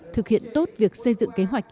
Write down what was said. thực hiện tốt việc xây dựng kế hoạch